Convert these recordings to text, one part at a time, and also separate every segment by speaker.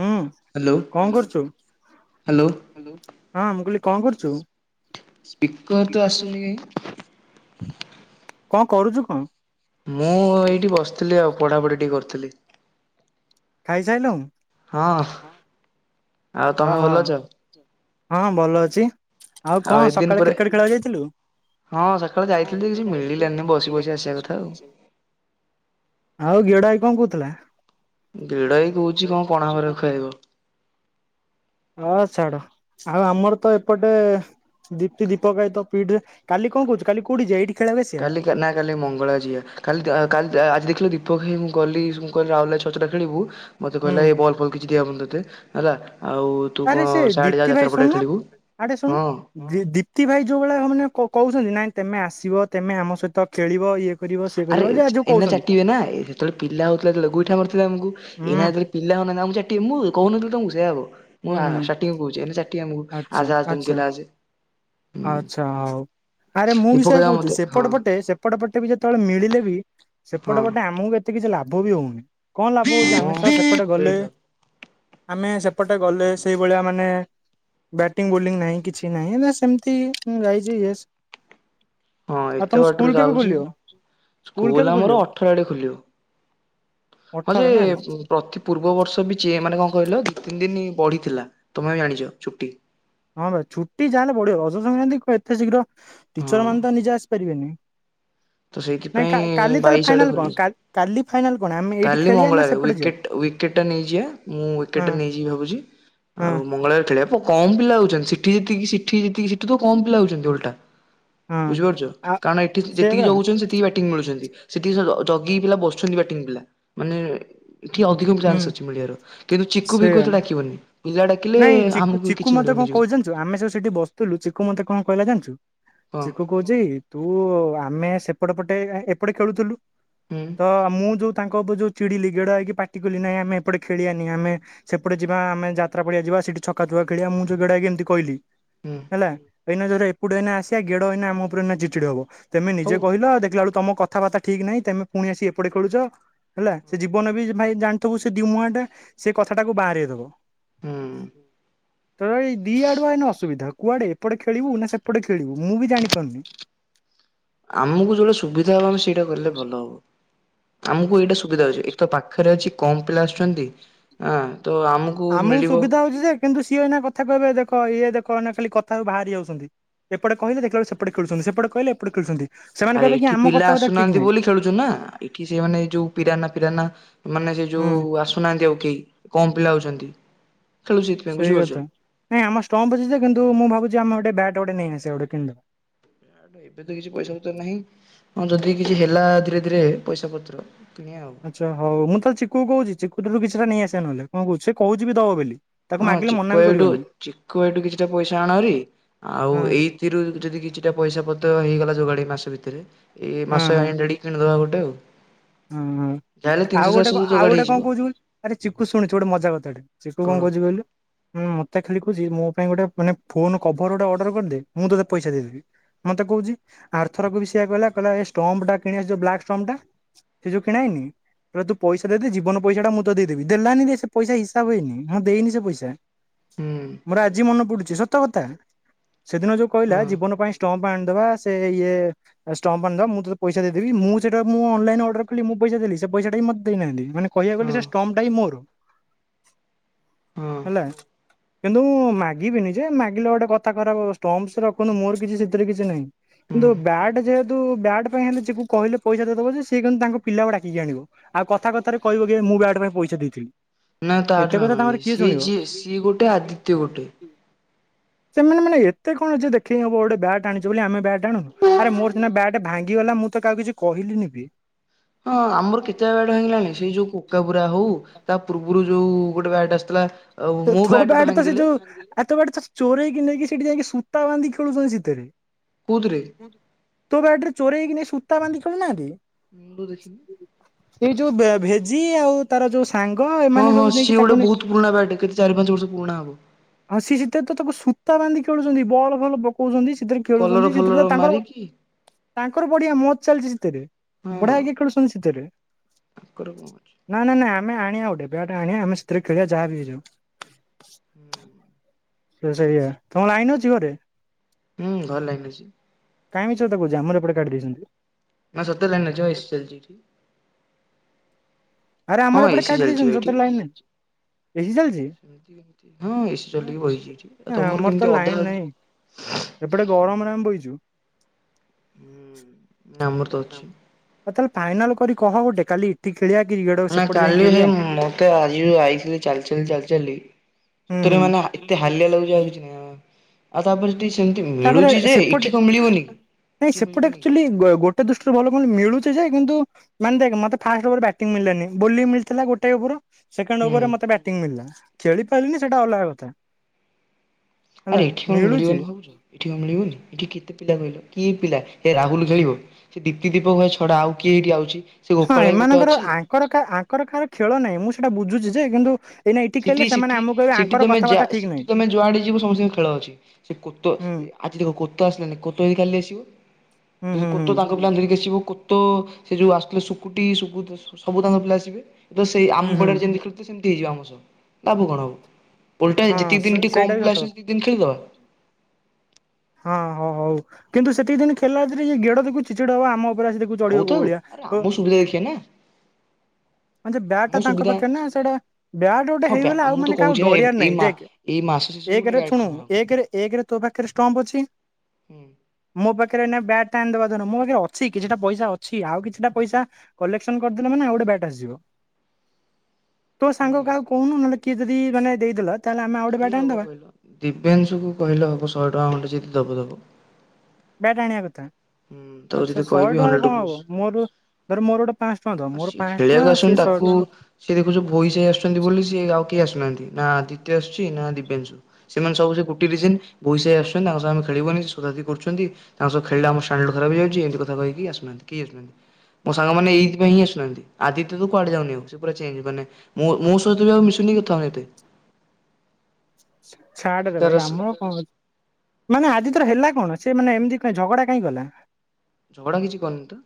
Speaker 1: ହୁଁ
Speaker 2: ହ୍ୟାଲୋ
Speaker 1: କଣ କରୁଛୁ?
Speaker 2: ହ୍ୟାଲୋ
Speaker 1: ହଲ ହଁ ମୁଁ କହିଲି କଣ କରୁଛୁ?
Speaker 2: ସ୍ପିକର ତ ଆସୁନି କାଇଁ?
Speaker 1: କଣ କରୁଛୁ କଣ?
Speaker 2: ମୁଁ ଏଇଠି ବସିଥିଲି ଆଉ, ପଢାପଢି ଟିକେ କରିଥିଲି।
Speaker 1: ଖାଇ ସାରିଲ?
Speaker 2: ହଁ। ଆଉ ତମେ ଭଲ ଅଛ?
Speaker 1: ହଁ ଭଲ ଅଛି ଆଉ କଣ
Speaker 2: ଏତେ ଦିନ
Speaker 1: ସକାଳେ
Speaker 2: ପରେ
Speaker 1: କ୍ରିକେଟ ଖେଳିବାକୁ ଯାଇଥିଲୁ?
Speaker 2: ହଁ ସକାଳେ ଯାଇଥିଲି, କିଛି ମିଳିଲାନି ବସି ବସି ଆସିବା କଥା ଆଉ।
Speaker 1: ଆଉ ଗେଡ ଭାଇ କଣ କହୁଥିଲା?
Speaker 2: ଭିଡ ଏଇ କହୁଛି କଣ କଣା ବରା ଖୁଆଇବ।
Speaker 1: ହଁ ଛାଡ, ଆଉ ଆମର ତ ଏପଟେ ଦୀପ୍ତି, ଦୀପକ ଭାଇ ତ ପେଡିରେ କାଲି କଣ କହୁଛୁ କାଲି କୋଉଠି ଯିବା ଏଇଠି ଖେଳିବାକୁ ଆସିବା?
Speaker 2: କାଲି ନା କାଲି ମଙ୍ଗଳା ଯିବା। କାଲି ଆ କାଲି ଆ ଆଜି ଦେଖିଲୁ ଦୀପକ ହେଇ ମୁଁ ଗଲି ମୁଁ କହିଲି ରାହୁଲ ଆଜି ଛ ଛଟା ଖେଳିବୁ। ମତେ କହିଲା
Speaker 1: ହୁଁ
Speaker 2: ଏଇ ବଲ୍ ଫଲ୍ କିଛି ଦିଆହବନି ତତେ ହେଲା ଆଉ ତୁ
Speaker 1: ଆରେ
Speaker 2: କଣ
Speaker 1: ସେ
Speaker 2: ସ୍ୟାଡେ ଯା
Speaker 1: ଦୀପ୍ତି ଭାଇ
Speaker 2: ଯାତ୍ରା ପଦାରେ
Speaker 1: ଶୁଣୁନୁ
Speaker 2: ଖେଳିବୁ
Speaker 1: ଆଡେ ଶୁଣୁନୁ
Speaker 2: ହଁ।
Speaker 1: ଦୀ ଦୀପ୍ତି ଭାଇ ଯୋଉ ଭଳିଆ ମାନେ କ କହୁସନ୍ତି ନାଇଁ ତେମେ ଆସିବ ତେମେ ଆମ ସହିତ ଖେଳିବ ଇଏ କରିବ ସିଏ
Speaker 2: ଆରେ
Speaker 1: କରିବ
Speaker 2: ଏ
Speaker 1: ଯା ଯୋଉ
Speaker 2: ଏନା
Speaker 1: କହୁଛନ୍ତି।
Speaker 2: ଚାଟିବେ ନା, ଏ ହେତବଳେ ପିଲା ହଉଥିଲା ଯେତେବଳେ ଗୁଇଠା ମାରୁଥିଲେ ଆମୁକୁ
Speaker 1: ହୁଁ
Speaker 2: ଏଇନା ଯେତେବଳେ ପିଲା ହଉନାହାନ୍ତି ଆମୁକୁ ଚାଟିବେ, ମୁଁ କହୁନଥିଲି ତମକୁ ସେୟା ହବ ମୁଁ
Speaker 1: ହୁଁ
Speaker 2: ଆ
Speaker 1: ହୁଁ
Speaker 2: ଷ୍ଟାଟିଙ୍ଗରୁ କହୁଚି ଏଇନେ ଚା ଟିଏ ଆମୁକୁ,
Speaker 1: ଆଚ୍ଛା
Speaker 2: ଆସେ ଆସେ ଯେମିତି
Speaker 1: ଆଚ୍ଛା।
Speaker 2: ହେଲେ ଆସେ। ହୁଁ
Speaker 1: ଆଚ୍ଛା ହଉ ଆରେ ମୁଁ ବି
Speaker 2: ଦୀପକ
Speaker 1: ସେୟା
Speaker 2: କହିବ
Speaker 1: କହୁଚି
Speaker 2: ମତେ ହଁ
Speaker 1: ସେପଟ ପଟେ ସେ ସେପଟ ପଟେ ବି ଯେତବଳେ ମିଳିଲେ ବି
Speaker 2: ହଁ
Speaker 1: ସେପଟ ପଟେ ଆମୁକୁ ଏତେ କିଛି ଲାଭ ବି ହଉନି। କଣ ଲାଭ ହଉଚି ଆମେ
Speaker 2: ହଁ
Speaker 1: ତ ସେପଟେ
Speaker 2: ସେଇ
Speaker 1: ଗଲେ
Speaker 2: ତ
Speaker 1: ଆମେ ସେପଟେ ଗଲେ ସେଇଭଳିଆ ମାନେ ବ୍ୟାଟିଂ ବୋଲିଂ ନାଇଁ, କିଛି ନାଇଁ ନା ସେମତି ଯାଇଚି ଇଏସ
Speaker 2: ହଁ
Speaker 1: ଆଉ
Speaker 2: ଏତେ
Speaker 1: ତମ
Speaker 2: ବାଟରୁ
Speaker 1: ସ୍କୁଲ କେବେ
Speaker 2: ଯାଉଛି
Speaker 1: ଖୋଲିବ, ସ୍କୁଲ କେବେ
Speaker 2: ଆମର
Speaker 1: ଖୋଲିବ?
Speaker 2: ଅଠର ଆଡେ ଖୋଲିବ ହଁ ଯେ
Speaker 1: ଅଠର ନା
Speaker 2: ପ୍ରତି ପୂର୍ବ ବର୍ଷ ବି ଚିଏ ମାନେ କଣ କହିଲ ଦି ତିନ ଦିନି ବଢିଥିଲା ତମେ ବି ଜାଣିଚ ଛୁଟି।
Speaker 1: ହଁ ବା ଛୁଟି ଯାହେଲେ ବଢିବ ରଜ ସଂକ୍ରାନ୍ତି ଏତେ ଶୀଘ୍ର
Speaker 2: ହଁ
Speaker 1: ଟିଚର ମାନେ ତ ନିଜେ ଆସିପାରିବେନି।
Speaker 2: ତ
Speaker 1: ନାଇଁ କା
Speaker 2: ସେଇଥିପାଇଁ
Speaker 1: କାଲି ତାହେଲେ
Speaker 2: ବାଇଶ ଆଡେ
Speaker 1: ଫାଇନାଲ
Speaker 2: ଖୋଲିବ
Speaker 1: କଣ କାଲ କାଲି ଫାଇନାଲ କଣ ଆମେ ଏଇଠି
Speaker 2: କାଲି
Speaker 1: ଖେଳିବା ନା
Speaker 2: ମଙ୍ଗଳାବାରେ
Speaker 1: ସେପଟେ ଯିବା
Speaker 2: ୱିକେଟ ୱିକେଟଟା ନେଇଯିବା ମୁଁ
Speaker 1: ହଁ
Speaker 2: ୱିକେଟଟେ ନେଇଯିବି ଭାବୁଚି।
Speaker 1: ହଁ
Speaker 2: ଆଉ ମଙ୍ଗଳବାରେ ଖେଳିବା ପ କମ ପିଲା ହଉଚନ୍ତି ସେଠି ଯେତିକି ସେଠି ଯେତିକି ସେଠି ତ କମ ପିଲା ହଉଚନ୍ତି ଓଲଟା।
Speaker 1: ହଁ
Speaker 2: ବୁଝିପାରୁଚ
Speaker 1: ଆ
Speaker 2: କାରଣ ଏଠି ଯେତିକି
Speaker 1: ସେଇବା
Speaker 2: ଜଗୁଛନ୍ତି ସେତିକି ବ୍ୟାଟିଂ ମିଳୁଚନ୍ତି। ସେଠି ସେ ଜ ଜଗିକି ପିଲା ବସୁଚନ୍ତି ବାଟିଂ ପିଲା ମାନେ ଏଠି ଅଧିକ ଚାନ୍ସ
Speaker 1: ହୁଁ
Speaker 2: ଅଛି ମିଳିବାର କିନ୍ତୁ ଚିକୁୁ
Speaker 1: ସେଇଆ
Speaker 2: ଫିକୁ ଏତେ ଡାକିବନି ପିଲା ଡା କିଲେ
Speaker 1: ନାଇଁ ଚିକୁ
Speaker 2: ଆମୁକୁ ବି
Speaker 1: ଚିକୁ
Speaker 2: କିଛି
Speaker 1: ମତେ କଣ
Speaker 2: ମିଳିବନି ଯୋଉ।
Speaker 1: କହୁଚି ଜାଣିଚୁ ଆମେ ସବୁ ସେଠି ବସିଥିଲୁ ଚିକୁ ମତେ କଣ କହିଲା ଜାଣିଚୁ
Speaker 2: ହଁ
Speaker 1: ଚିକୁ କହୁଚି ତୁ ଆମେ ସେପଟ ପଟେ ଏପଟେ ଖେଳୁଥିଲୁ
Speaker 2: ହୁଁ
Speaker 1: ତ ମୁଁ ଯୋଉ ତାଙ୍କ ଉପରେ ଯୋଉ ଚିଡିଲି ଗେଡା ହେଇକି ପାଟି କଲି ନାଇଁ ଆମେ ଏପଟେ ଖେଳିବାନି ଆମେ ସେପଟେ ଯିବା ଆମେ ଯା ତ୍ରା ପଡିଆ ଯିବା ସେଠି ଛକା ଛୁଆ ଖେଳିବା ମୁଁ ଯୋଉ ଗେଡା ଭାଇକି ଏମିତି କହିଲି
Speaker 2: ହୁଁ
Speaker 1: ହେଲା। ଏଇନା ଯଉରା ଏକୁଟିଆ ଏଇନା ଆସିବା ଗେଡ ଏଇନା ଆମ ଉପରେ ଏଇନା ଚିଡି ଚିଡି ହବ ତେମେ
Speaker 2: ହଉ
Speaker 1: ନିଜେ କହିଲ ଆଉ ଦେଖିଲା ବେଳୁ ତମ କଥାବାର୍ତା ଠିକ ନାହିଁ ତେମେ ପୁଣି ଆସି ଏପଟେ ଖେଳୁଚ ହେଲା ସେ ଜୀବନ ବି ଭାଇ ଜାଣିଥିବୁ ସେ ଦିଇମୁହାଁ ଟା ସେ କଥାଟାକୁ ବାଆଁରେଇଦବ।
Speaker 2: ହୁଁ
Speaker 1: ତ ଭାଇ ଦି ଆଡୁଆ ଏଇନେ ଅସୁବିଧା କୁଆଡେ ଏପଟେ ଖେଳିବୁ ନା ସେପଟେ ଖେଳିବୁ ମୁଁ ବି ଜାଣିପାରୁନି।
Speaker 2: ଆମୁକୁ ଯୋଉଟା ସୁବିଧା ହବ ଆମେ ସେଇଟା କଲେ ଭଲ ହବ। ଆମୁକୁ ଏଇଟା ସୁବିଧା ହଉଛି ଏକ ତ ପାଖେରେ ଅଛି କମ ପିଲା ଆସୁଚନ୍ତି ଆଁ ତ ଆମୁ
Speaker 1: ଆମୁକୁ ସୁବିଧା ହଉଚି ଯେ କିନ୍ତୁ ସିଏ ଏଇନା କଥା କହିବେ ଦେଖ ଇଏ ଦେଖ ମାନେ ଖାଲି କଥାରୁ ବାହାରି ଯାଉସୁନ୍ତି। ଏପଟେ କହିଲେ ଦେଖିଲାବେଳୁ ସେପଟେ ଖେଳୁଚନ୍ତି ସେପଟେ କହିଲେ ଏପଟେ ଖେଳୁଚନ୍ତି।
Speaker 2: ଆରେ ଏଠି ପିଲା ଆସୁନାହାନ୍ତି ବୋଲି ଖେଳୁଚୁ ନା ଏଠି ସେମାନେ ଯୋଉ ପିରାନା ଫିରାନା ମାନେ ସେ ଯୋଉ
Speaker 1: ହୁଁ
Speaker 2: ଆସୁନାଆନ୍ତି ଆଉ କେହି କମ୍ ପିଲା ହଉଚନ୍ତି।
Speaker 1: ସେଇ କଥା ନାଇଁ ଆମ ଷ୍ଟମ୍ପ ଅଛି ଯେ କିନ୍ତୁ ମୁଁ ଭାବୁଚି ଆମେ ଗୋଟେ ବ୍ୟାଟ୍ ଗୋଟେ ନେଇ ଆସିବା ଗୋଟେ କିଣିଦବା।
Speaker 2: ଏବେ ତ କିଛି ପଇସା ପତ୍ର ନାହିଁ ହଁ ଯଦି କିଛି ହେଲା ଧୀରେ ଧୀରେ ପଇସା ପତ୍ର କିଣିବା ଆଉ।
Speaker 1: ଆଚ୍ଛା ହଉ ମୁଁ ତାଲେ ଚିକୁକୁ କହୁଚି ଚିକୁ ଦେଲେ କିଛିଟା ନେଇଆସିଵା ନହେଲେ କଣ କହୁଚୁ ସେ କହୁଚି ବି ଦବ ବୋଲି। ତାକୁ
Speaker 2: ହଁ
Speaker 1: ମାଗିଲେ ମନା
Speaker 2: ଚିକୁ
Speaker 1: ବି
Speaker 2: ଭାଇଠୁ
Speaker 1: କରିବନି
Speaker 2: ଚିକୁ ଭାଇଠୁ କିଛିଟା ପଇସା ଆଣଭାରି ଆଉ
Speaker 1: ହଁ
Speaker 2: ଏଇ ଥିରୁ ଯଦି କିଛିଟା ପଇସା ପତ୍ର ହେଇଗଲା ଯୋଗାଡି ମାସେ ଭିତେରେ ଏ
Speaker 1: ହଁ
Speaker 2: ମାସ
Speaker 1: ହଁ
Speaker 2: ଏଣ୍ଡରେ ଟି କିଣିଦବା ଗୋଟେ ଆଉ।
Speaker 1: ହଁ ହଁ
Speaker 2: ଯାହାହେଲେ
Speaker 1: ଆଉ
Speaker 2: ତିନିଶହ
Speaker 1: ଗୋଟେ
Speaker 2: ଚାରିଶହ
Speaker 1: କ
Speaker 2: ତ
Speaker 1: ଆଉ
Speaker 2: ଯୋଗାଡ଼
Speaker 1: ଗୋଟେ କଣ
Speaker 2: ହେଇଯିବ
Speaker 1: କହୁଚୁ କହିଲୁ। ଆରେ ଚିକୁୁ ଶୁଣିଚି ଗୋଟେ ମଜା କଥାଟେ ଚିକୁ କଣ କହୁଚି କହିଲୁ। ହୁଁ ମତେ ଖାଲି କହୁଚି ମୋ ପାଇଁ ଗୋଟେ ମାନେ ଫୋନ କଭର ଗୋଟେ ଅର୍ଡର କରିଦେ ମୁଁ ତୋତେ ପଇସା ଦେଇଦେବି। ମତେ କହୁଚି ଆରଥରକୁ ବି ସେୟା କହିଲା କହିଲା ଏ ଷ୍ଟମ୍ପ ଟା କିଣିବା ସେ ଯଉ ବ୍ଲାକ ଷ୍ଟମ୍ପ ଟା। ସେ ଯୋଉ କିଣାହେଇନି। କହିଲା ତୁ ପଇସା ଦେଇଦେ ଜୀବନ ପଇସା ଟା ମୁଁ ତତେ ଦେଇଦବି ଦେଲାନିବେ ସେ ପଇସା ହିସାବ ହେଇନି ମୁଁ ଦେଇନି ସେ ପଇସା।
Speaker 2: ହୁଁ
Speaker 1: ମୋର ଆଜି ମନେ ପଡୁଚି ସତ କଥା ସେଦିନ ଯୋଉ କହିଲା
Speaker 2: ହଁ
Speaker 1: ଜୀବନ ପାଇଁ ଷ୍ଟମ୍ପ ଆଣିଦବା ସେ ଇଏ ଷ୍ଟମ୍ପ ଆଣିଦବା ମୁଁ ତତେ ପଇସା ଦେଇଦେବି ମୁଁ ସେଟା ମୁଁ ଅନଲାଇନ ଅର୍ଡର କଲି ମୁଁ ପଇସା ଦେଲି ସେ ପଇସାଟା ବି ମତେ ଦେଇନାହାନ୍ତି ମାନେ କହିବାକୁ
Speaker 2: ହଁ
Speaker 1: ଗଲେ ଷ୍ଟମ୍ପ ଟା ହିଁ ମୋର।
Speaker 2: ହଁ।
Speaker 1: ହେଲା। କିନ୍ତୁ ମାଗିବିନି ଯେ ମାଗିଲେ ଗୋଟେ କଥା ଖରାପ ହବ ଷ୍ଟମ୍ପ ରଖନ୍ତୁ ମୋର କିଛି ସେଥିରେ କିଛି ନାଇଁ। କିନ୍ତୁ
Speaker 2: ହୁଁ
Speaker 1: ବ୍ୟାଟ୍ ଯେହେତୁ ବ୍ୟାଟ୍ ପାଇଁ ହେଲେ ଚିକୁ କହିଲେ ପଇସା ଦେଇଦବ ସିଏ କିନ୍ତୁ ତାଙ୍କ ପିଲାକୁ ଡାକିକି ଆଣିବ ଆଉ କଥା କଥାରେ କହିବକି ଏ ମୁଁ ବ୍ୟାଟ ପାଇଁ ପଇସା
Speaker 2: ନା
Speaker 1: ଦେଇଥିଲି।
Speaker 2: ତାଠୁ
Speaker 1: ଏତେ କଥା
Speaker 2: ଆଣନି
Speaker 1: ତାଙ୍କର କିଏ
Speaker 2: ସିଏ ଯିଏ ସିଏ ଗୋଟେ ଆଦିତ୍ୟ
Speaker 1: ଶୁଣିବ।
Speaker 2: ଗୋଟେ
Speaker 1: ସେମାନେ ମାନେ ଏତେ କଣ ଯେ ଦେଖେଇ ହବ ଗୋଟେ ବ୍ୟାଟ ଆଣିଚି ବୋଲି ଆମେ ବ୍ୟାଟ ଆଣୁନୁ। ଆରେ ମୋର ସିନା ବ୍ୟାଟ ଭାଙ୍ଗିଗଲା ମୁଁ ତ କାହାକୁ କିଛି କହିଲିିନି ବି।
Speaker 2: ହଁ ଆମର କେତେ ବ୍ୟାଟ ଭାଙ୍ଗିଲାଣି ସେଇ ଯୋଉ କୋକାପୁରା ହଉ ତା ପୂର୍ବରୁ ଯୋଉ ଗୋଟେ ବ୍ୟାଟ ଆସିଥିଲା ଆଉ
Speaker 1: ସେ
Speaker 2: ମୋ
Speaker 1: ଥୋ
Speaker 2: ବ୍ୟାଟ୍ ଗୋଟେ
Speaker 1: ବ୍ୟାଟ ତୋ ସେ
Speaker 2: ଭାଙ୍ଗିଦେଲେ
Speaker 1: ଯୋଉ ତୋ ବ୍ୟାଟ ତ ଚୋରେଇକି ନେଇକି ସେଠି ଯାଇକି ସୂତା ବାନ୍ଧି ଖେଳୁଚନ୍ତି ଶୀତିରେ।
Speaker 2: କୋଉଥିରେ?
Speaker 1: ତୋ ବ୍ୟାଟରେ ଚୋରେଇକିି ନେଇକି ସୂତା ବାନ୍ଧିକି ଖେଳୁନାହାନ୍ତିି।
Speaker 2: ମୁଁ ତ ଦେଖିନି।
Speaker 1: ଏଇ ଯୋଉ ବ୍ୟ ଭେଜି ଆଉ ତାର ଯୋଉ ସ୍ ସାଙ୍ଗ
Speaker 2: ହଁ
Speaker 1: ଏମାନେ
Speaker 2: ହଁ
Speaker 1: ସବୁ ନେଇକି
Speaker 2: ସିଏ
Speaker 1: ତାକୁ
Speaker 2: ଗୋଟେ
Speaker 1: ନେଇ
Speaker 2: ବହୁତ ପୁରୁଣା ବ୍ୟାଟ କେତେ ଚାରି ପାଞ୍ଚ ବର୍ଷ ପୁରୁଣା ହବ।
Speaker 1: ଆଉ ସିଏ ସେଥିରେ ତ ତାକୁ ସୂତା ବାନ୍ଧି ଖେଳୁଚନ୍ତି ବଲ ଫଲ ପକଉଚନ୍ତି ସେଥିରେ
Speaker 2: କଲର
Speaker 1: ଖେଳୁଚନ୍ତି ସେଥିରେ
Speaker 2: ଫଲର
Speaker 1: ତାଙ୍କର
Speaker 2: ମାରିକି
Speaker 1: ତାଙ୍କର ବଢିଆ ମଜ ଚାଲିଚି ସେଥିରେ।
Speaker 2: ହଁ
Speaker 1: ବଢିଆକି ଖେଳୁଛନ୍ତି ସେଥିରେ।
Speaker 2: ତାଙ୍କର କଣ ଅଛି
Speaker 1: ନାଁ ନାଁ ନାଁ ଆମେ ଆଣିଆ ଗୋଟେ ବ୍ୟାଟ ଆଣିଆ ଆମେ ସେଥିରେ ଖେଳିଆ ଯାହା ବିି ହେଇଯାଉ। ସେ ସେଇଆ ତମ ଲାଇନ ଅଛି ଘରେ?
Speaker 2: ହୁଁ ଘରେ ଲାଇନ୍ ଅଛି।
Speaker 1: କାଇଁ ମିଛ କଥା କହୁଚୁ ଆମର ଏପଟେ କାଟିଦେଇଚନ୍ତି।
Speaker 2: ନା ସତରେ [unintelligible]
Speaker 1: ଆରେ
Speaker 2: ହଁ
Speaker 1: ଆମର ଏପଟେ
Speaker 2: ଏସି
Speaker 1: କାଟି
Speaker 2: ଚାଲିଛି ବା
Speaker 1: ଦେଇଚନ୍ତି ସତରେ
Speaker 2: ଏଠି
Speaker 1: ଲାଇନ ନାହିଁ ଏ ସି ଚାଲିଚି?
Speaker 2: ହଁ ଏ ସି ଚଲେଇକି ବଇଚି ଏଇଠି ଆଉ ତମର
Speaker 1: ଆମର ତ
Speaker 2: କେମିତି
Speaker 1: ଲାଇନ
Speaker 2: ଅଧା
Speaker 1: ନାହିଁ ଏପଟେ ଗରମରେ ଆମେ ବଇଚୁ।
Speaker 2: ହୁଁ ଆମର ତ ଅଛି।
Speaker 1: ଆଉ ତାହେଲେ ଫାଇନାଲ କରି କହ ଗୋଟେ କାଲି ଟି ଖେଳିଆ କ୍ରିକେଟ
Speaker 2: ନା କାଲି ହୁଁମ ମତେ ଆଜି ଆଇଥିଲି ଚାଲି ଚାଲି ଚାଲି ଚାଲି
Speaker 1: ହୁଁ
Speaker 2: ସତରେ
Speaker 1: ହୁଁ
Speaker 2: ମାନେ ଆ ଏତେ ହାଲିଆ ଲାଗୁଚି ଆଉ କିଛି ନା ଆଉ ତାପରେ ସେଠି ସେମିତି
Speaker 1: ତାପରେ
Speaker 2: ମିଳୁଛି ଯେ ଏଠି
Speaker 1: ସେପଟେ
Speaker 2: କଣ ମିଳିବନି କି
Speaker 1: ନାଇଁ
Speaker 2: ଏଠି
Speaker 1: ସେପଟେ
Speaker 2: ମିଳିବନି କି?
Speaker 1: ଆକଚୁଏଲି ଗୋ ଗୋ ଟେ ଦୃଷ୍ଟିରୁ ଭଲ ମିଳୁଚି ଯେ କିନ୍ତୁ ମାନେ ଦେଖ ମତେ ଫାଷ୍ଟ ଓଭର ବ୍ୟାଟିଂ ମିଳିଲାନି ବୋଲିଂ ମିଳିଥିଲା ଗୋଟେ ଓଭର ସେକେଣ୍ଡ
Speaker 2: ହୁଁ
Speaker 1: ଓଭରରେ ମତେ ବ୍ୟାଟିଂ ମିଳିଥିଲା ଖେଳି ପାରୁନି ସେଟା ଅଲଗା କଥା
Speaker 2: ଆରେ
Speaker 1: ହେଲା
Speaker 2: ଏଠି କଣ
Speaker 1: ମିଳୁଛି
Speaker 2: ମିଳିବନି ଭାବୁଚୁ ଏଠି କଣ ମିଳିବନି ଏଠି କେତେ ପିଲା କହିଲ? କି ପିଲା ଏ ରାହୁଲ ଖେଳିବ ସେ ଦୀପତି ଦୀପକ ଛଡା ଆଉ କିଏ ଏଇଠି ଆଉଚି? ସେ
Speaker 1: ହଁ
Speaker 2: ଗୋପାଳ ଭାଇ ଗୋଟେ
Speaker 1: ଏମାନଙ୍କର
Speaker 2: ଅଛି
Speaker 1: ଆଙ୍କର କାଁ ଆଙ୍କର କାହାର ଖେଳ ନାହିଁ ମୁଁ ସେଇଟା ବୁଝୁଚିଯେ କିନ୍ତୁ ଏଇନା ଏଠି
Speaker 2: ସିଟି
Speaker 1: ଖେଳିଲେ ସେମାନେ
Speaker 2: ସିଠି
Speaker 1: ଆମକୁ କହିବେ
Speaker 2: ସିଠି
Speaker 1: ଆଙ୍କର
Speaker 2: ତମେ ଯା
Speaker 1: କଥାବାର୍ତ୍ତା ଠିକ ନାହିଁ
Speaker 2: ସିଟି ତମେ ଯୁଆଡେ ଯିବ ସମସ୍ତଙ୍କ ଖେଳ ଅଛି ସେ କୋତ
Speaker 1: ହୁଁ
Speaker 2: ଆଜି ଦେଖ କୋତ ଆସିଲାନି କୋତ ବି କାଲି ଆସିବ।
Speaker 1: ହୁଁ ହୁଁ ହୁଁ।
Speaker 2: ପିଲା ଧରିକି ଆସିବ କୋତ ସେ ଯୋଉ ଆସୁଥିଲେ ସୁକୁଟି ସୁକୁତ ସବୁ ତାଙ୍କ ପିଲା ଆସିବେ ତ ସେଇ
Speaker 1: ହୁଁ
Speaker 2: ଆମ
Speaker 1: ହୁଁ
Speaker 2: ପଡିଆରେ ଯେମିତି ଖେଳୁଥିଲେ ସେମିତି ହେଇଯିବ ଆମ ସହ ଲାଭ କଣ ହବ। ପୋଟା ଏ
Speaker 1: ହଁ
Speaker 2: ଯେତିକ
Speaker 1: ସେ
Speaker 2: ଦିନ ଟିକ
Speaker 1: ସେଇଟା
Speaker 2: କମ୍
Speaker 1: ବି
Speaker 2: ପ୍ଲା
Speaker 1: ସତ
Speaker 2: ଆସୁ
Speaker 1: କଥା
Speaker 2: ସେତିକ ଦିନ ଖେଳିବା।
Speaker 1: ହଁ ହଁ ହଉ କିନ୍ତୁ ସେତିକି ଦିନ ଖେଳିଲା ଭିତରେ ଏ ଗେଡ ଦେଖିବୁ ଚିଡି ଚିଡି ହବ ଆମ ଉପରେ ଆସିକି ଦେଖ୍ ଚଳିବ କୋଉ
Speaker 2: ହଉଥାଉ
Speaker 1: ଭଳିଆ
Speaker 2: ଆରେ
Speaker 1: ହ
Speaker 2: ଆମ ସୁବିଧା ଦେଖିବା ନା।
Speaker 1: ହଁ ଯେ ବ୍ୟାଟ୍
Speaker 2: ଆମ
Speaker 1: ଟା ତାଙ୍କ
Speaker 2: ସୁବିଧା
Speaker 1: ପାଖରେ ନା ସେଇଟା ବ୍ୟାଟ ଗୋଟେ
Speaker 2: ହଁ ବ୍ୟା
Speaker 1: ହେଇଗଲା ଆଉ
Speaker 2: ମୁଁ ତ
Speaker 1: ମାନେ
Speaker 2: କହୁଛି
Speaker 1: କାହାକୁ
Speaker 2: ନା
Speaker 1: ଡରିଆର
Speaker 2: ଏଇ
Speaker 1: ନାଇଁ
Speaker 2: ମା
Speaker 1: ଦେଖେ
Speaker 2: ଏଇ ମାସ ଶେଷକୁ
Speaker 1: ଏକ
Speaker 2: ଗୋଟେ
Speaker 1: ରେ
Speaker 2: ବ୍ୟାଟ୍
Speaker 1: ଶୁଣୁ
Speaker 2: କିଣା ହବ।
Speaker 1: ଏକରେ ଏକ ରେ ତୋ ପାଖରେ ଷ୍ଟମ୍ପ ଅଛି।
Speaker 2: ହୁଁ
Speaker 1: ମୋ ପାଖରେ ଏଇନେ ବ୍ୟାଟ୍ ଟା ଆଣିଦବା ଧର ମୋ ପାଖରେ ଅଛି କିଛିଟା ପଇସା ଅଛି ଆଉ କିଛିଟା ପଇସା କଲେକ୍ସନ୍ କରିଦେଲା ମାନେ ଆଉ ଗୋଟେ ବ୍ୟାଟ୍ ଆସିଯିବ। ତୋ
Speaker 2: ହୁଁ
Speaker 1: ସାଙ୍ଗ କାହାକୁ କହୁନୁ ନହେଲେ କିଏ ଯଦି ମାନେ ଦେଇଦେଲା। ତାହେଲେ ଆମେ ଆଉ ଗୋଟେ
Speaker 2: କିଏ
Speaker 1: ବ୍ୟାଟ୍
Speaker 2: ଦବ
Speaker 1: ଆଣିଦବା
Speaker 2: କହିଲ ଦିବ୍ୟାଂଶୁ କୁ କହିଲେ ହବ ଶହେ ଟଙ୍କା ଖଣ୍ଡେ ଯଦି ଦବ ଦବ।
Speaker 1: ବ୍ୟାଟ୍ ଆଣିବା କଥା।
Speaker 2: ହୁଁ ତାକୁ
Speaker 1: ଆଚ୍ଛା
Speaker 2: ଯଦି
Speaker 1: ଶହେ
Speaker 2: କହିବି
Speaker 1: ଟଙ୍କାରେ
Speaker 2: ହଣ୍ଡ୍ରେଡ
Speaker 1: କଣ
Speaker 2: ରୁପିସ୍
Speaker 1: ହବ ମୋର ଧର ମୋର ଗୋଟେ ପାଞ୍ଚଶହ ଟଙ୍କା ଧ ମୋର ପାଞ୍ଚ ଟଙ୍କା
Speaker 2: ଖେଳିଆକୁ ଆସୁନ୍
Speaker 1: ସିଏ ଶହେ
Speaker 2: ତାକୁ
Speaker 1: ଟଙ୍କା।
Speaker 2: ସିଏ ଦେଖୁଛୁ ଭୋହି ସାହି ଆସୁଛନ୍ତି ବୋଲି ସିଏ ଆଉ କେହି ଆସୁନାହାନ୍ତି ନା ଆଦିତ୍ୟ ଆସୁଛି ନା ଦିବ୍ୟାଂଶୁ। ସେମାନେ ସବୁ ସେଇ ଗୋଟିଏ ରିଜେନ୍ ଭୋଇ ସାଇ ଆସୁଛନ୍ତି ତାଙ୍କ ସହ ଆମେ ଖେଳିବୁନି ଶୋଧା ଶୋଧି କରୁଛନ୍ତି ତାଙ୍କ ସହ ଖେଳିଲେ ଆମ ପା୍ୟାଣ୍ଡ ଖରାପ ହେଇଯାଉଛି ଏମତି କଥା କହିକି ଆସୁନାହାନ୍ତି କେଇ ଆସୁନାହାଁନ୍ତି। ମୋ ସାଙ୍ଗମାନେ ଏଥିପାଇଁ ହିଁ ଆସୁନାହାନ୍ତି ଆଦିତ୍ୟ ତ କୁଆଡେ ଯାଉନି ଆଉ ସେ ପୁରା ଚେଞ୍ ମାନେ ମୁଁ ମୋ ସହିତ ବି ଆଉ ମିଶୁନି କଥା ହଉନି ଏତେ। ସେ
Speaker 1: ଛାଡରେ
Speaker 2: ତାର
Speaker 1: ଭାଇ ଆମର କଣ ନା ନା ଆଦିତ୍ୟର ହେଲା କଣ ସେ ମାନେ ଏମିତି କାଇଁ ଝଗଡ଼ା କାଇଁ କଲା?
Speaker 2: ଝଗଡ଼ା କିଛି କରିନି ତ।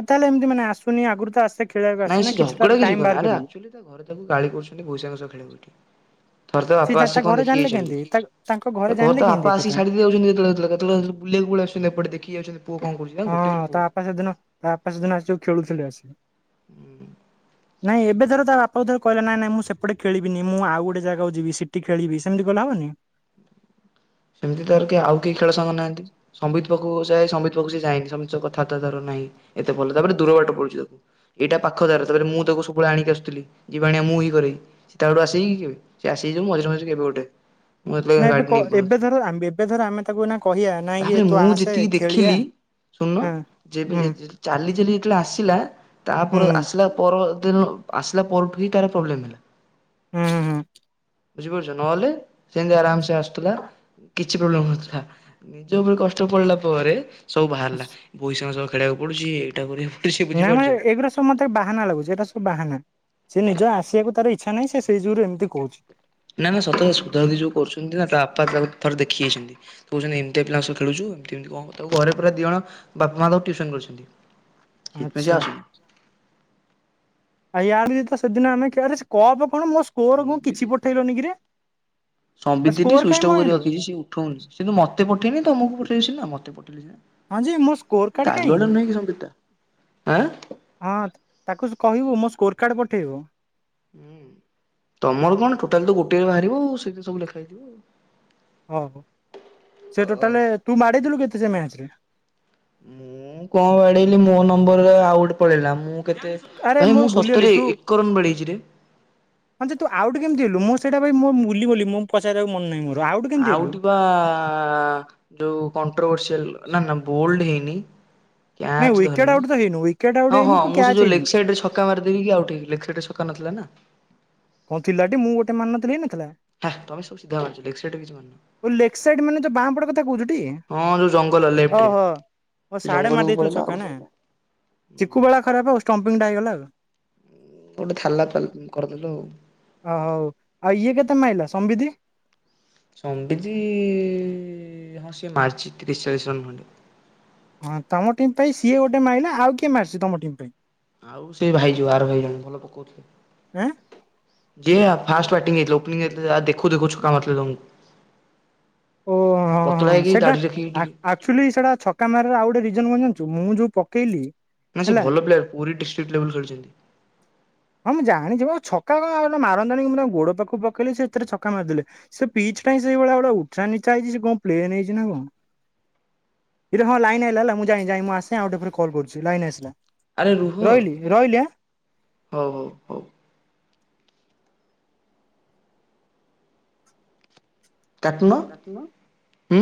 Speaker 1: ଆଉ ତାହେଲେ ଏମିତି ମାନେ ଆସୁନି ଆଗରୁ ତ ଆସେ ଖେଳିବାକୁ ଆସେ
Speaker 2: ନାଇଁ
Speaker 1: ନା
Speaker 2: ସିଏ
Speaker 1: କିଛିଟା
Speaker 2: ଝଗଡା କିଛି
Speaker 1: ଟାଇମ
Speaker 2: କରିନି
Speaker 1: ବାହାର
Speaker 2: ଆରେ
Speaker 1: କରିକି।
Speaker 2: ଆକ୍ଚୁଆଲି ତା ଘରେ ତାକୁ ଗାଳି କରୁଛନ୍ତି ଭୋଇ ସାଙ୍ଗ ସହ ଖେଳେ ବୋଲି। ଥରେ ତା
Speaker 1: ସିଏ
Speaker 2: ବାପା
Speaker 1: ଯା
Speaker 2: ଆସିକି କଣ
Speaker 1: ଘରେ
Speaker 2: ଦେଖିକି
Speaker 1: ଜାଣିଲେ
Speaker 2: ଯାଇଛନ୍ତି
Speaker 1: କେମିତି ତା ତାଙ୍କ
Speaker 2: ଘରେ
Speaker 1: ଜାଣିଲେ
Speaker 2: ତା
Speaker 1: କେମିତି
Speaker 2: ବାପା
Speaker 1: ଏ କଥା
Speaker 2: ଆସିକି ଛାଡ଼ି ଦେଇ ଯାଉଛନ୍ତି ଯେତେ କେତେ ବେଳେ କେତେବେଳେ ବୁଲିବାକୁ ପଲେଇ ଆସୁଛନ୍ତି ଏପଟ ଦେଖିକି ଯାଉଛନ୍ତି ପୁଅ କଣ କରୁଛି ଗୋଟେ ପୁ
Speaker 1: ହଁ ତା ବାପା ସେଦିନ ତା ବାପା ସେଦିନ ଆସିକି ଯୋଉ ଖେଳୁଥିଲେ ଆସିକି
Speaker 2: ହୁଁ
Speaker 1: ନାଇଁ ଏବେ
Speaker 2: ତ
Speaker 1: ଥରେ ତା ବାପାକୁ ଥରେ କହିଲା ନାଇଁ ନାଇଁ ମୁଁ ସେପଟେ ଖେଳିବିନି ମୁଁ ଆଉ ଗୋଟେ ଜାଗା କୁ ଯିବି ସେଟି ଖେଳିବି ସେମିତି କଲେ ହବନି?
Speaker 2: ସେମିତି ତାର କିଏ ଆଉ କେଇ ଖେଳ ସାଙ୍ଗ ନାହାନ୍ତି? ସମ୍ବିତ ପାଖକୁ ଯାଏ ସମ୍ବିତ ପାଖକୁ ସେ ଯାଏନି ସମ୍ବିତ ସହ କଥାବାର୍ତ୍ତା ତାର ନାହିଁ ଏତେ ଭଲ ତାପରେ ଦୂର ବାଟ ପଡୁଚି ତାକୁ। ଏଇଟା ପାଖ ତାର ତାପରେ ମୁଁ ତାକୁ ସବୁବେଳେ ଆଣିକି ଆସୁଥିଲି ଯିବାଆଣିଆ ମୁଁ ହିଁ କରେ। ସେ ତାର ଆସେକି କେବେ ସେ ଆସେ ଯେ ମଝିରେ ମଝିରେ କେବେ ଗୋଟେ? ମୁଁ ଯେତେବେଳେ
Speaker 1: ନାଁ ଏବେ
Speaker 2: ଗାଡି
Speaker 1: କ
Speaker 2: ନେଇ
Speaker 1: ଏବେ
Speaker 2: ପଳଉଥିଲି
Speaker 1: ଧର ଆଁ ଏବେ ଧର ଆମେ ତାକୁ ଏଇନା କହିଆ
Speaker 2: ତାପରେ ମୁଁ ଯେତିକି ଦେଖିଲି ଶୁଣନ
Speaker 1: ହଁ
Speaker 2: ଯେବେ
Speaker 1: ହୁଁ
Speaker 2: ଯେ ଯେ ଚାଲି ଚାଲି ଯେତେବେଳେ ଆସିଲା ତାପର
Speaker 1: ହୁଁ
Speaker 2: ଆସିଲା ପରଦିନ ଆସିଲା ପରଠୁଁ ହିଁ ତାର ପ୍ରୋବ୍ଲେମ୍ ହେଲା।
Speaker 1: ହୁଁ।
Speaker 2: ବୁଝିପାରୁଛ ନହେଲେ ସେମିତି ଆରାମସେ ଆସୁଥିଲା କିଛି ପ୍ରୋବ୍ଲେମ୍ ନଥିଲା। ନିଜ ଉପରେ କଷ୍ଟ ପଡିଲା ପରେ ସବୁ ବାହାରିଲା ଭୋଇ ସାଙ୍ଗ ସହ ଖେଳିବାକୁ ପଡୁଛି ଏଇଟା କରି
Speaker 1: ନା ମା ଏଗୁରା ସବୁ ମତେ ବାହାନା ଲାଗୁଛି ଏଇଟା ସବୁ ବାହାନା। ସେ ନିଜ ଆସିବାକୁ ତାର ଇଚ୍ଛା ନାହିଁ ସେଇ ଯୁଗୁରୁ ଏମିତି କହୁଛି।
Speaker 2: ନା ନା ସତରେ ସୋଧା ସୋଧି ଯୋଉ କରୁଛନ୍ତି ନା ତା ବାପା ତାକୁ ଥରେ ଦେଖିକି ଯାଇଛନ୍ତି। କହୁଛନ୍ତି ଏମତିଆ ପିଲାଙ୍କ ସହ ଖେଳୁଚୁ ଏମତି ଏମିତି କଣ ତାକୁ ଘରେ ପୁରା ଦିଇ ଜଣ ବାପା ମା ତାକୁ ଟ୍ୟୁସନ୍ କରିଛନ୍ତି। ସେଇଥିପାଇଁ ସେ
Speaker 1: ଆଚ୍ଛା
Speaker 2: ଆସୁନି।
Speaker 1: ଆ ୟାଦି ତ ସେଦିନ ଆମେ କପ୍ କଣ ମୋ ସ୍କୋର କଣ କିଛି ପଠେଇଲୁନି କିରେ? ଆ
Speaker 2: ସମ୍ବିତ ଟି
Speaker 1: ସ୍କୋର କାଇଁ
Speaker 2: ସ୍ଵିଷ୍ଟଅଫ କରିକି
Speaker 1: ମଇଁର
Speaker 2: ରଖିଛି ସିଏ ଉଠଉନି ସେ ତ ମତେ ପଠେଇନି ତମକୁ ପଠେଇ ସିନା ମତେ ପଠେଇଲି
Speaker 1: ହଁ ଯେ ମୋ ସ୍କୋର
Speaker 2: ସିନା।
Speaker 1: କାର୍ଡ କାଇଁ
Speaker 2: ଗାଲୁଆଟା ନୁହେଁ କି ସମ୍ବିତଟା।
Speaker 1: ହଁ ତାକୁ କହିବୁ ମୋ ସ୍କୋର କାର୍ଡ଼ ପଠେଇବ?
Speaker 2: ଆଁ। ତମର କଣ ଟୋଟାଲ୍ ତ ଗୋଟେରେ ବାହାରିବ ଆଉ ସେଇଥିରେ ସବୁ ଲେଖା ହେଇଥିବ ଆଉ।
Speaker 1: ଓହୋଃ ସେ ଟୋଟାଲେ ତୁ ମାଡ଼େଇଥିଲୁ କେତେ ସେ ମ୍ୟାଚ ରେ?
Speaker 2: ମୁଁ କଣ ବାଡେଇଲି ମୋ ନମ୍ବରରେ ଆଉ ଗୋଟେ ପଳେଇଲା। ମୁଁ କେତେ
Speaker 1: ଆରେ
Speaker 2: ଭାଇ
Speaker 1: ମୋର
Speaker 2: ମୁଁ
Speaker 1: ଭୁଲିଗଲି
Speaker 2: ସତରେ
Speaker 1: ତୁ
Speaker 2: ଏକ ରନ୍ ବାଡେଇଛି ରେ।
Speaker 1: ହଁ, ଯେ ତୁ ଆଉଟ୍ କେମତି ହେଲୁ? ମୁଁ ସେଇଟା ମୁଁ ବୁ ଗଲି ମୁଁ ପଚାରିବାକୁ ମନ ନାହିଁ ମୋର। କେମିତି ହେଲୁ?
Speaker 2: ଆଉଟ୍ ବା ଯୋଉ କଣ୍ଟଭସିଆଲ ନା ବୋଲଡ ହେଇନି।
Speaker 1: ନାଇଁ
Speaker 2: କ୍ୟାଚ୍
Speaker 1: ୱିକେଟ୍
Speaker 2: ଧରିନି,
Speaker 1: ଆଉଟ୍ ତ ହେଇନୁ ୱିକେଟ୍ ଆଉଟ୍
Speaker 2: ହଁ
Speaker 1: ହେଇନୁ
Speaker 2: ହଁ
Speaker 1: କି
Speaker 2: ମୁଁ ସେ
Speaker 1: କ୍ୟାଚ୍
Speaker 2: ଯୋଉ
Speaker 1: ହେଇନୁ
Speaker 2: ଲେଗ୍ ସାଇଟ୍ ରେ ଛ କା ମାରି ଦେଇକି ଆଉଟ୍ ହେଇଗଲି। ଲେଗ୍ ସାଇଟ୍ ରେ ଚକା ନଥିଲା ନା।
Speaker 1: କଣ ଥିଲାଟି ମୁଁ ଗୋଟେ ମାରି ନଥିଲି ହେଇ ନଥିଲା?
Speaker 2: ହେଁ ତମେ [unintelligible] ଲେଗ୍ ସାଇଟ୍ ରେ କିଛି ବି କରିନ।
Speaker 1: ଓଃ ଲେଗ୍ ସାଇଡ ମାନେ ଯଉ ବାଁ ପଟ କଥା କହୁଛ ଟି?
Speaker 2: ହଁ ଯୋଉ ଜଙ୍ଗଲ ଲେଫ୍ଟରେ
Speaker 1: ଓହୋଃ, ଓଃ
Speaker 2: ସେ
Speaker 1: ସାଡେ ମାରି
Speaker 2: ଜଙ୍ଗଲକୁ
Speaker 1: ଦେଇଥିଲୁ
Speaker 2: ପଳେଇଲା ଆଉ
Speaker 1: ଛକା ନା? ଚିକୁ ବେଳା ଖରାପ ଷ୍ଟମ୍ପିନ ଟା ହେଇଗଲା ଆଉ।
Speaker 2: ଗୋଟେ ଥାାଲା ଥାଲ କରି ଦେଲୁ ଆଉ।
Speaker 1: ଓହୋଃ ହଉ ଆଉ ଇଏ କେତେ ମାଇଲା ସମ୍ବିତି?
Speaker 2: ସମ୍ବିତି ହଁ ସିଏ ମାରିଛି ତିରିଶ, ଚାଳିଶ ରନ ଖଣ୍ଡେ।
Speaker 1: ହଁ, ତମ ଟିମ୍ ପାଇଁ ସିଏ ଗୋଟେ ମାଇଲା, ଆଉ କିଏ ମାରିଛି ତମ ଟିମ୍ ପାଇଁ?
Speaker 2: ଆଉ ସେ ଭାଇ ଯୋଉ ଆର ଭାଇ ଜଣେ ଭଲ ପକଉଥିଲେ।
Speaker 1: ଆଁ
Speaker 2: ଯିଏ ଫାଷ୍ଟ ବ୍ୟାଟିଂ ହେଇଥିଲା ଓପନିଙ୍ଗି ଯାଇଥିଲେ ଦେଖୁ ଦେଖୁ ଛ କା ମାରିଥିଲେ। [unintelligible]
Speaker 1: ଓଃ ହଁ
Speaker 2: ପତଳା
Speaker 1: ହଁ
Speaker 2: ହେଇକି
Speaker 1: ସେଟା
Speaker 2: ଦାଢି ରଖିକି ଟିକେ
Speaker 1: ଆକ୍-ଆକ୍ ଆଚୁଲି ସେଇଟା ଛକା ମାରିବାର ଆଉ ଗୋଟେ ରିଜନ କଣ ଜାଣିଚୁ, ମୁଁ ଯୋଉ ପକେଇଲି
Speaker 2: ନା ସେ
Speaker 1: ହେଲା
Speaker 2: ଭଲ ପ୍ଲେୟାର। ପୁରୀ ଡିଷ୍ଟ୍ରିକ୍ଟ ଲେବଲ ଖେଳିଛନ୍ତି।
Speaker 1: ହଁ ମୁଁ ଜାଣିଛି ମ ଆଉ ଛକା କଣ ଗୋ ମାରନ୍ତେନି ମୁଁ ତା ଗୋଡ ପାଖକୁ ପକେଇଲିି ସେ ସେଥିରେ ଛକା ମାରିଦେଲେ। ସେ ପିଚ୍ ଟା ହିଁ ସେଇଭଳିଆଳିେ ଉଚ୍ଚା ନିଚା ହେଇଛି ସେ କଣ ପ୍ଲେନ ହେଇଛି ନା କଣ। ଏଇରେ ହଁ ଲାଇନ୍ ଆଇଲା ହେଲା ମୁଁ ଯାଇଁ ଯାଇଁ ମୁଁ ଆସେ ଆଉ ଟିକେ ପରେ କଲ୍ କରୁଛି। ଲାଇନ ଆସିଲା
Speaker 2: ଆରେ ରୁହ
Speaker 1: ରହିଲି ରହିଲି ଆଁ?
Speaker 2: ହଉ ହଉ ହଉ। କାଟୁନ।
Speaker 1: କାଟୁନ।
Speaker 2: ହୁଁ।